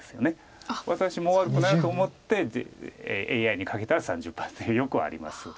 私も悪くなると思ってＡＩにかけたら３０％ってよくあります。